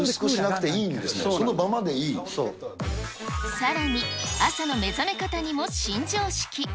さらに、朝の目覚め方にも新常識。